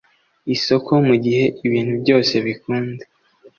Isoko mugihe ibintu byose bikunda